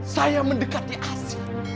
saya mendekati asli